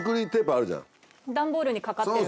段ボールに掛かってる？